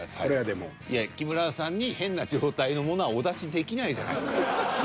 いや木村さんに変な状態のものはお出しできないじゃない。